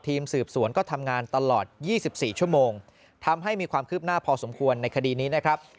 ทีมสืบสวนก็ทำงานตลอด๒๔ชั่วโมงทำให้มีความคืบหน้าพอสมควรในคดีนี้นะครับ